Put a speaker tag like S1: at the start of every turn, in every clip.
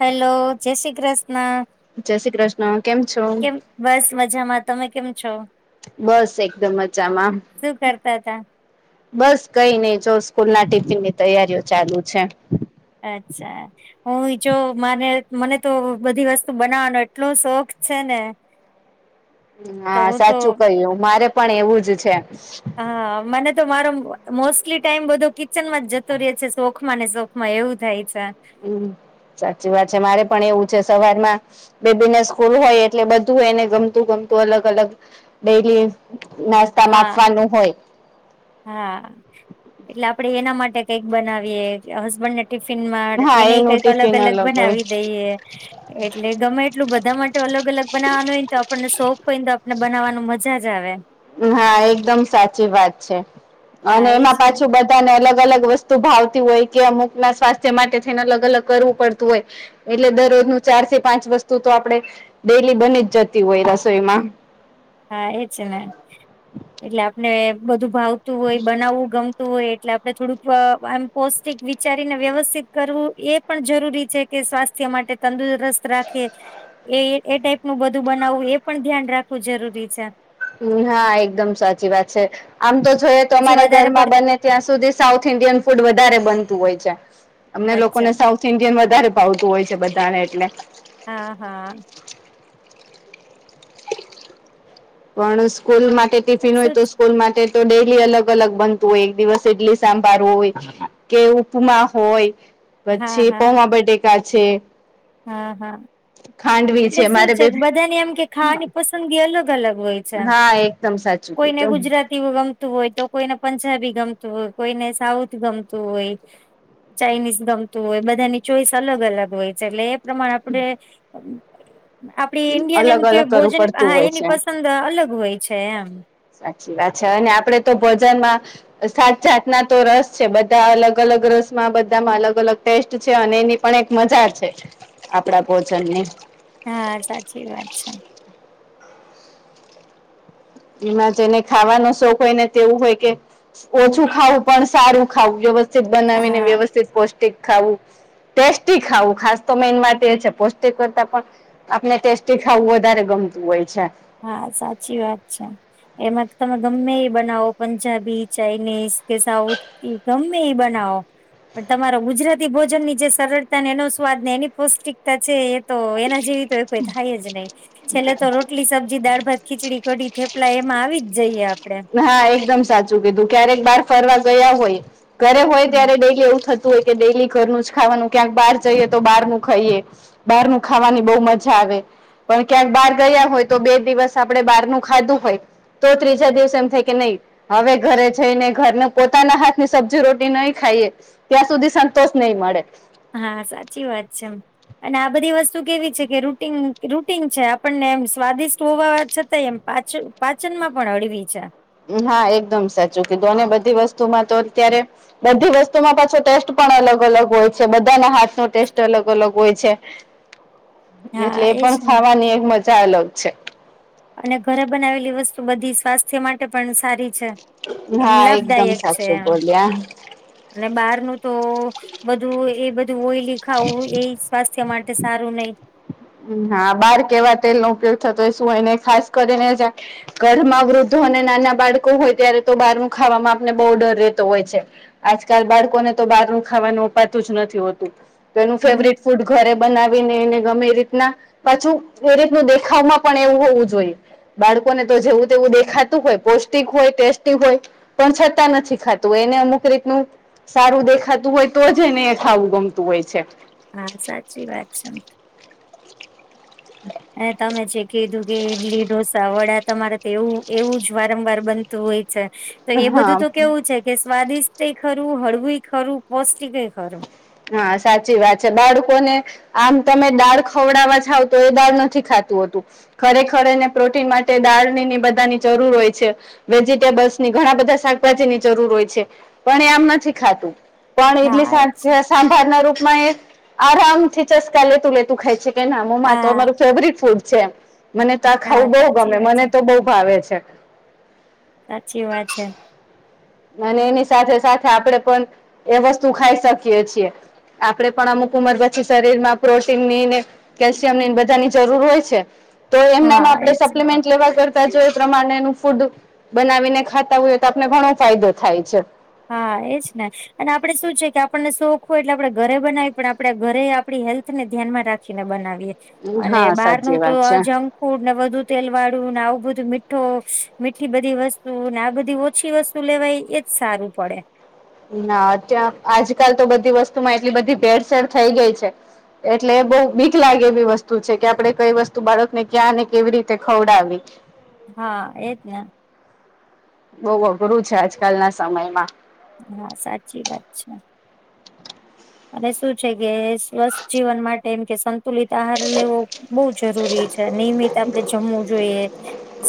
S1: Hello જય શ્રી કૃષ્ણ
S2: જય શ્રી કૃષ્ણ કેમ છો
S1: કેમ બસ મજામાં તમે કેમ છો?
S2: બસ એકદમ મજામાં.
S1: શું કરતા હતા
S2: બસ કઈ નઈ જો સ્કૂલના ટિફિનની તૈયારીઓ ચાલુ છે.
S1: અચ્છા. હુંય જો માને મને તો બધી વસ્તુ બનાવવાનો એટલો શોખ છે ને [inaudible] તો
S2: હા
S1: હું તો
S2: સાચું કહ્યું મારે પણ એવું જ છે.
S1: હા મને તો મારો મોસ્ટલી ટાઈમ બધો કિચન માં જતો રે છે શોખમાંને શોખ માં એવું થાય છે.
S2: હમ સાચી વાત છે મારે પણ એવું છે સવારમાં બેબીને સ્કૂલ હોય એટલે બધું એને ગમતું ગમતું અલગ અલગ ડેલી નાસ્તામાં
S1: હા
S2: આપવાનું હોય.
S1: હા એટલે આપડે એના માટે કઈક બનાવીએ કે હસબન્ડને ટિફિનમાં
S2: હા
S1: એનેયે
S2: એનું
S1: કંઈક અલગ
S2: ટિફિન
S1: અલગ
S2: હોય
S1: બનાવી દઈએ. એટલે ગમે એટલું બધા માટે અલગ અલગ બનાવવાનું હોય ને તો આપણને શોખ હોય ને તો આપણને બનાવવાનું મઝા જ આવે.
S2: હા એકદમ સાચી વાત છે
S1: હા
S2: અને એમાં
S1: એજ ને.
S2: પાછું બધું તેને અલગ અલગ વસ્તુ ભાવતી હોય કે અમુક ના સ્વાસ્થ્ય માટે થઈને અલગ અલગ કરવું પડતું હોય એટલે દરોજનું ચારથી પાંચ વસ્તુ તો આપડે ડેલી બની જ જતી હોય રસોઈમાં
S1: હા એ ચ ને એટલે આપને બધું ભાવતું હોય બનાવવું ગમ તુ હોય એટલે આપડે થોડુંક આમ પૌષ્ટિક વિચારીને વ્યવસ્થિત કરવું એક એપણ જરૂરી છે કે સ્વાસ્થ્ય માટે તંદુ રસ્ત રાખે એ એ ટાઈપનું બધું બનાવવું એ પણ ધ્યાન રાખવું જરૂરી છે.
S2: હા એકદમ સાચી વાત છે આમ તો જોઈએ તો
S1: પછી
S2: અમારા
S1: વધારે
S2: ઘરમાં
S1: પડતું
S2: બંને ત્યાં સુધી સાઉથ ઇન્ડિયન ફૂડ વધારે બનતું હોય છે અમને લોકોને
S1: અચ્છા
S2: સાઉથ ઈન્ડિયન વધારે ભાવતું હોય છે બધાને, એટલે.
S1: હા. હા.
S2: પણ સ્કૂલ માટે
S1: પણ
S2: ટિફિન હોય
S1: શું
S2: તો સ્કૂલ માટે. તો ડેલી અલગ અલગ બનતું હોય, એક દિવસ ઈડલી સાંભાર હોય. કે ઉપમા હોય,
S1: હા
S2: પછી
S1: હા
S2: પૌંઆ-બટાકા છે.
S1: હા. હા.
S2: ખાંડવી
S1: એટલે શું
S2: મારે
S1: છે,
S2: બે
S1: બધાની ખાવાની પસંદગી અલગ અલગ હોય.
S2: હા, એકદમ. સાચુ
S1: ઈમગમતું હોય તો કોઈને પંજાબી ગમતું હોય, કોઈને સાઉથ ગમતું હોય. ચાઇનીઝ ગમતું હોય, બધાની ચોઇસ અલગ અલગ હોય છે, એટલે એ પ્રમાણે આપણે. આપડું
S2: અલગ અલગ
S1: ઇન્ડિયન
S2: કરવું
S1: ભોજન,
S2: પડતું
S1: હા,
S2: હોય
S1: એની
S2: છે
S1: પસંદ અલગ હોય છે એમ.
S2: સાચી વાત છે, અને આપણે તો ભોજનમાં... જાત જાતના રસ છે, બધા અલગ અલગ રસમાં, બધામાં અલગ અલગ. ટેસ્ટ છે અને એની પણ એક મજા છે, આપણા ભોજનની.
S1: હા, સાચી વાત છે.
S2: એમાં જેને ખાવાનો શોખ હોય ને, એવું હોય કે... ઓછું ખાવું પણ સારું ખાવું, વ્યવસ્થિત બનાવીને,
S1: હા
S2: વ્યવસ્થિત અને પૌષ્ટિક ખાવું. ટેસ્ટી ખાવું, ખાસ તો મેઈન વાત એ છે, પૌષ્ટિક કરતાં પણ. આપણે ટેસ્ટી ખાવું વધારે ગમતું હોય છે.
S1: હા, સાચી વાત છે. એમાં તમે ગમે એ બનાવો, પંજાબી, ચાઇનીઝ કે સાઉથ. ગમે એ બનાવો. પણ તમારો ગુજરાતી ભોજનની જે સરળતા, એનો સ્વાદ ને એની પૌષ્ટિકતા છે. તો એના જેવી તો એ કોઈ થાય જ નહીં, છેલ્લે તો. રોટલી સબ્જી દાળ, ભાત, ખિચડી, કઢી, એમાં આવી જ જઈએ આપણે.
S2: હા, એકદમ સાચું કીધું. ક્યારેક બહાર ફરવા ગયા હોય કે ઘરે હોય ત્યારે એવું થતું હોય. કે ડેલી ઘરનું જ ખાવાનું, ક્યાંક બહાર જઈએ તો બહારનું ખાઈએ. બહારનું ખાવાની બહુ મજા આવે. પણ ક્યાંક બહાર ગયા હોય તો બે દિવસ આપણે બહારનું ખાધું હોય, તો ત્રીજા દિવસે... હવે ઘરે જઈને ઘરના પોતાના હાથની સબ્જી-રોટલી નહીં ખાઈએ? ત્યાં સુધી સંતોષ નહીં મળે.
S1: હા, સાચી વાત છે. અને આ બધી વસ્તુ કેવી છે કે રૂટિન છે આપણને, સ્વાદિષ્ટ હોવા છતાં એમ. પાચનમાં પણ હળવી છે.
S2: હા. એકદમ સાચું કીધું અને બધી વસ્તુમાં તો અત્યારે... બધી વસ્તુમાં પાછો ટેસ્ટ પણ અલગ અલગ હોય છે. બધાનાં હાથનો ટેસ્ટ અલગ અલગ હોય છે.
S1: હા
S2: એટલે એ
S1: એજ
S2: પણ
S1: ને
S2: ખાવાની એક મજા અલગ છે.
S1: અને ઘરે બનાવેલી વસ્તુ બધી સ્વાસ્થ્ય માટે પણ સારી છે. એમ
S2: હા એકદમ
S1: લાભદાયક છે
S2: સાચું
S1: એમ.
S2: બોલ્યા.
S1: અને બહારનું તો... બધું એ બધું ઓઈલી ખાવું એય સ્વાસ્થ્ય માટે સારું નહીં.
S2: હા, બહાર કેવા તેલનો ઉપયોગ થતો હોય શું હોય? ને ખાસ કરીને ઘરમાં વૃદ્ધો અને નાના બાળકો હોય ત્યારે તો બહારનું ખાવામાં આપણને બહુ ડર રહેતો હોય છે. આજકાલ બાળકોને તો બહારનું ખાવાનું અપાતું જ નથી હોતું. તો એનું
S1: હમ.
S2: ફેવરિટ ફૂડ ઘરે બનાવીને એને ગમે એ રીત ના પાછું એ રીતનું દેખાવમાં પણ એવું હોવું જોઈએ. બાળકોને તો જેવું તેવું દેખાતું હોય, પૌષ્ટિક હોય, ટેસ્ટી હોય પણ છતાં નથી ખાતું એને અમુક રીતનું સારું દેખાતું હોય તો જ એને એ ખાવું ગમતું હોય છે.
S1: હા સાચી વાત છે. અને તમે જે કીધું કે ઈડલી, ઢોસા, વડા તમારે તો એવું એવું જ વારંવાર બનતું હોય છે. તો એ
S2: હા
S1: બધું તો કેવું છે કે સ્વાદિષ ટય ખરું, હળવુંય ખરું, પૌષ્ટિકેય ખરું
S2: હા સાચી વાત છે. બાળકોને આમ તમે દાળ ખવડાવા ઝાવ તો એ દાળ નથી ખાતું હોતું ખરેખર એને પ્રોટીન માટે દાળની ને ઇ બધાની જરૂર હોય છે. વેજીિટેબલ્સની ઘણાં બધા શાકભાજીની જરૂર હોય છે. પણ એ આમ નથી ખાતું. પણ ઈડલી
S1: હા એ છે.
S2: સાથે સાંભારના રૂપમાં એ આરામથી ચસ્કા લેતું લેતું ખાય છે. કે ના મમ્માં આતો
S1: હા
S2: અમારું ફેવરીટ ફૂડ છે. મને તો આ
S1: હા
S2: ખાવું બોવ
S1: સાચી
S2: ગમે.
S1: વાત છે
S2: મને તો બઉ ભાવે છે.
S1: સાચી વાત છે.
S2: અને એની સાથે સાથે આપડે પણ એ વસ્તુ ખાઈ શકીએ છીએ. આપડે પણ અમુક ઉંમર પછી શરીરમાં પ્રોટીનની ને કેલ્શિયમની ન બધાની જરૂર હોય છે. તો એમણામ
S1: હા
S2: આપડે
S1: એજ ને.
S2: સપ્લિમેન્ટ લેવા કર તા જો એ પ્રમાણેનું ફૂડ બનાવીને ખાતા હોયે તો આપને ઘણો ફાયદો થાય છે.
S1: હા એજ ને અને આપડે શું છે કે આપણને શોખ હોય એટલે આપડે ઘરે બનાવી પણ આપડે ઘરેય આપડી હેલ્થને ધ્યાનમાં રાખ ખીને બનાવીએ અને
S2: હા
S1: બહારનું
S2: સાચી
S1: તો
S2: વાત
S1: આ
S2: છે.
S1: જંક ફૂડ ને વધુ તેલ વાળું ને આવું બધું મીઠ્ઠો મીઠી બધી વસ્તુ ને આ બધી ઓછી વસ્ તુ લેવાય એજ સારું પડે.
S2: ના અત્યાં આજકાલ તો બધી વસ્તુમાં એટલી બધી ભેળસેેડ થઈ ગઈ છે એટલે બઉ બીક લાગે એવી વસ્તુ છે કે આપડે કઈ વસ્તુ બાળકને ક્યાં ને કેવી રીતે ખવડાવી?
S1: હા એ જ ને
S2: બોઉ અઘરું છે આજકાલના સમયમાં
S1: હા સાચી વાત છે. અને શું છે કે સ્વસ્થ જીવન માટે એમ કે સન તુલિત આહાર લેવો બઉ જરૂરી છે. નિયમિત આપડે જમવું જોઈએ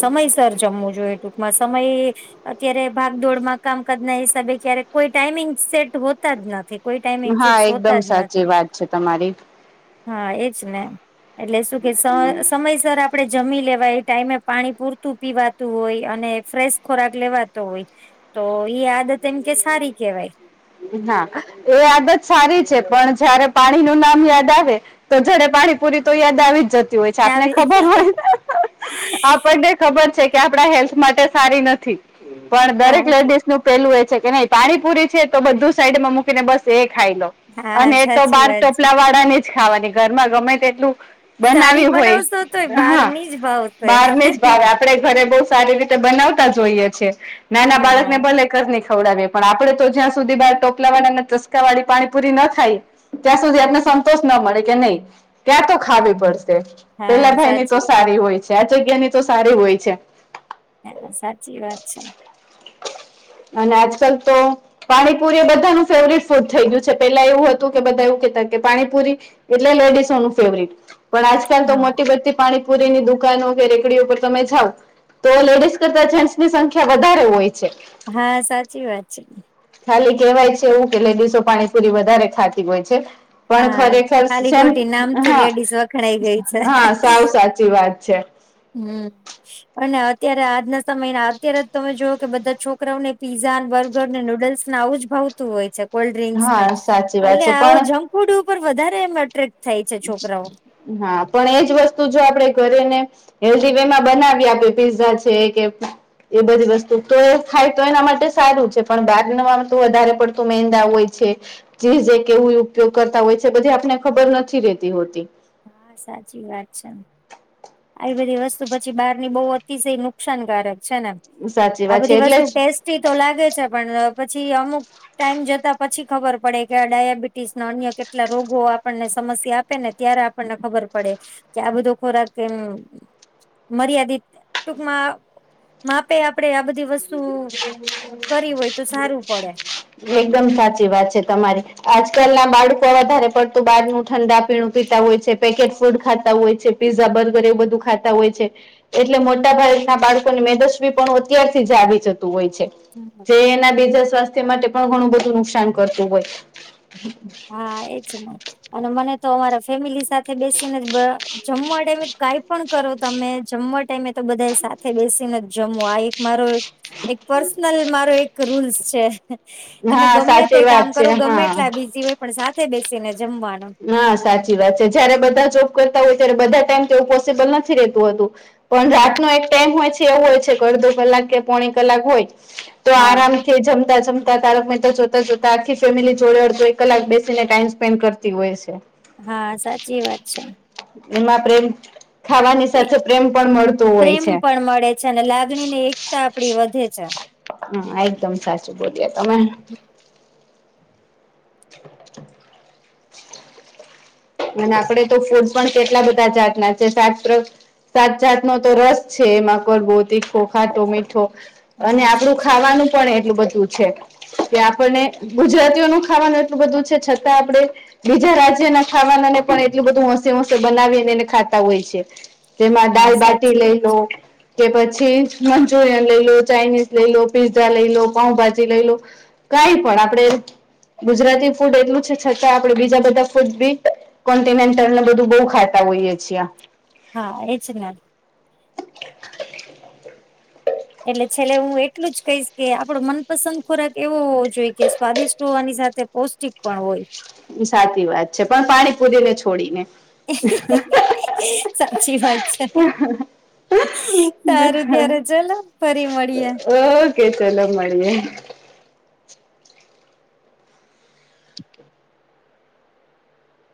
S1: સમયસર જમવું જોઈએ ટૂકમાં સમય અત્યારે ભાગદોડમાં કામકાજના હિસાબે કયારેક કોઈ ટાઈમિંગ સેટ હોતા જ નથી. કોઈ ટાઈમ
S2: હા એકદમ સાચી વાત છે તમારી
S1: હા એજ ને એટલે શું કે સ સમયસર આપડે જમી લેવાય ટાઈમે પાણી પૂરતું પીવાત તું હોય અને ફ્રેશ ખોરાક લેવાતો હોય તો ઇ આદત એમ કે સારી કેવાય
S2: હા એ આદત સારી છે પણ જયારે પાણીનું નામ યાદ આવે તો જ્યારે પાણીપુરી તો યાદ આવી જ જતી હોય છે આપને
S1: આવી
S2: ખબર હોય આપ આપને ખબર છે કે આપડા હેલ્થ માટે સારી નથી પણ
S1: હા
S2: દરેક લેડીસનું પેલું એ છે કે નઇ પાણી પૂરી છે તો બધું સાઈડમાં મૂકીને બસ એ ખાઈ લો
S1: હા હા
S2: અને એ તો
S1: સાચી
S2: બાર
S1: વાત છે
S2: ટોપલા વાળાની જ ખાવાની ઘરમાં ગમે તેટલું
S1: સારી
S2: બનાવી
S1: બનાવશો તોય
S2: હોય
S1: બહાર
S2: હા
S1: ની જ ભાવશે
S2: બારની જ ભાવે આપ આપડે ઘરે બઉ સારી રીતે બનાવતા જ હોઈએ છે નાના બાળકને
S1: હા
S2: ભલે ઘરની ખવડાવીએ પણ આપડે તો જ્યાં સુધી બાર ટોપલા વાળાના ચસકા વાળી પાણી પૂરી ન ખાય ત્યાં સુધી એમને સંતોષ ન મળે કે નઇ ત્યાં તો ખાવી પડશે પેલા
S1: હા
S2: ભાઈની તો
S1: સાચી
S2: સારી હોય છે આ જગ્યાની તો સારી હોય છે.
S1: સાચી વાત છે.
S2: અને આજકલ તો પાણીપુરી એ બધાનું ફેવરીટ ફૂડ થઈ ગયું છે પેલા એવું હતું કે બધા એવું કેતા કે પાણીપુરી એટલે લેડીસોનું ફેવરીટ પણ આજકાલ તો
S1: હા
S2: મોટી બધી પાણીપુરીની દુકાનો કે રેકડીઓ પર તમે જાવ તો લેડીઝ કરતા જેન્ટસની સંખ્યા વધારે હોય છે.
S1: હા સાચી વાત છે.
S2: ખાલી કેવાય છે એવું કે લેડીસો પાણીપુરી વધારે ખાતી હોય છે. પણ
S1: હા
S2: ખરેખર
S1: ખાલી ખોટી
S2: [unintelligible]
S1: નામથી
S2: હા
S1: લેડીઝ વખણાઈ ગઈ છે
S2: હા સાવ સાચી વાત છે.
S1: હમ્મ અને અત્યારે આજના સમયના અત્યારે જ તમે જુવો કે બધા છોકરાઓને પીઝાને, બર્ગરને નુડલ્સ ને આવું જ ભાવતું હોય છે કોલ્ડડ્રિંક્સને
S2: હા સાચી વાત
S1: એટલે
S2: છે પણ
S1: આવુ [unintelligible] ફુડ ઉપર વધારે એમ અટ્રેક્ટ થાય છે છોકરાઓ
S2: હા પણ એજ વસ્તુ જો આપણે ઘરેને હેલ્ધી વેમાં બનાવી આપે પીઝા છે કે એ બધી વસ્તુ તો ખાય તો એના માટે સારું છે પણ બાર [unintelligible] તો વધારે પડતું મેંદા હોય છે. [unintelligible] કેવું ઉપયોગ કરતા હોય છે બધી આપને ખબર નથી રેતી હોતી
S1: હા સાચી વાત છે. આવી બધી વસ્તુ પછી બારની બહુ અતિશય નુકસાનકારક છે ને
S2: સાચી
S1: આ
S2: વાત
S1: બધી
S2: છે એટલે
S1: વસ્તુ
S2: જ
S1: ટેસ્ટી તો લાગે છે પણ પછી અમુક ટાઈમ જતા પછી ખબર પડે કે આ ડાયાબિટીસનો અન્ય કેટલા રોગો આપણને સમસ્યા આપેને ત્યારે આપણને ખબર પડે કે આ બધો ખોરાક એમ મર્યાદિત ટુંકમાં માપે આપડે આ બધી વસ્ તું કરી હોય તો સારું પડે
S2: એકદમ સાચી વાત છે તમારી આજકાલના બાળકો વધારે પડતું બારનું ઠંડા પીણું પીતા હોય છે. પેકેટ ફૂડ ખાતા હોય છે પીઝા બર્ગર એવું બધું ખાતા હોય છે. એટલે મોટા ભાગના બાળકોને મેદસ્વી પણ અત્યારથી જ આવી જત તું હોય છે,
S1: હમ
S2: જે એના બીજા સ્વાસ્ થ્ય માટે પણ ઘણું બધું નુકશાન કરતું હોય
S1: હા એજ ને અને મને તો અમારા ફેમિલી સાથ સાથે બેસીને જમન્ટ [unintelligible] કાંઈ પણ કરો તમે જમન્ટ ટાઈમે તો બધા સાથે બેસીને જ જમો આ એક મારો એક પર્સનલ મારો એક ક રૂલ્સ છે. તમે
S2: હા
S1: ગમે તે
S2: સાચી
S1: કામ
S2: વાત
S1: કરો,
S2: છે
S1: ગમે
S2: હા
S1: એટલા બિઝી હોય પણ સાથે બેસી ને જમવાનું.
S2: હા સાચી વાત છે. જયારે બધા જોબ કરતા હોય ત્યારે બધા ટાઈમ તો એવું પોસિબલ નથી રહેતું હોતું. પણ
S1: હા
S2: રાતનો એક ટાઈમ હોય છે, એવો હોય છે, કે અડધો કલાક કે પોણી કલાક હોય તો
S1: હા
S2: આરામથી એ જમતા જમત તાં તારક મહેતા જોતા-જોતા આખી ફેમિલી જોડે અડધો, એક કલાક બેસીને ટાઈમ સ્પેન્ડ કરતી હોય છે.
S1: હા સાચી વાત છે.
S2: એમાં પ્રેમ, ખાવાની
S1: એ
S2: સાથે પ્રેમ પણ મળતું હોય
S1: પ્રેમ
S2: છે.
S1: પણ મળે છે, અને લાગણી ને એકતા આપણી વધે છે.
S2: હા એકદમ સાચું બોલ્યા તમે. [inaudible] અને આપણે તો ફૂડ પણ કેટલા બધા જાતના છે. [unintelligible] સાત જાત નો તો રસ છે. એમાં કડવો, તીખો, ખાટો, મીઠો અને
S1: હા
S2: આપણું
S1: સાચી
S2: ખાવાનું પણ એટલું બધું છે. કે આપણને ગુજરાતીઓનું ખાવાનું એટલું બધું છે, છતાં આપણે બીજા રાજ્યના ખાવાના ને પણ એટલું બધું હોશે-હોશે બનાવીને એને ખાતા હોય છે. તેમાં
S1: હા
S2: દાલ-બાટી
S1: સાચી
S2: લઈ
S1: વાત છે
S2: લો કે પછી મંચુરિયન લઈ લો, ચાાઈનીઝ લઈ લો, પીઝા લઈ લો, પાંઉભાજી લઈ લો કાંઈપણ. આપણેે ગુજરાતી ફૂડ એટલું છે, છતાં આપણેે બીજા બધા ફૂડ બી કોન્ટિનેન્ટલને બધુ બહુ ખાતા હોઈએ છીએ.
S1: હા એ જ ને. એટલે છેલ્લે હું એટલું જ કહીશ, કે આપણો મનપસંદ ખોરાક એવો હોવો જોઈ, કે સ્વાદિષ્ટ હોવાની સાથે પૌષ્ટિક પણ હોય.
S2: ઈ સાચી વાત છે. પણ પાણી પૂરીને છોડીને.
S1: સાચી વાત છે. સારું ત્યારે ચલો ફરી મળીએ.
S2: ઓકે ચલો મળીએ.